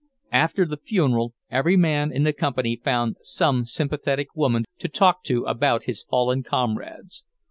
After the funeral every man in the Company found some sympathetic woman to talk to about his fallen comrades.